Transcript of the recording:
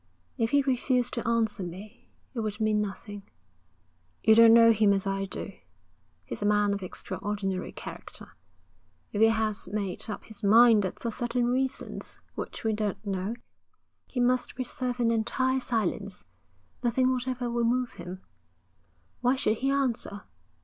'If he refused to answer me it would mean nothing. You don't know him as I do. He's a man of extraordinary character. If he has made up his mind that for certain reasons which we don't know, he must preserve an entire silence, nothing whatever will move him. Why should he answer?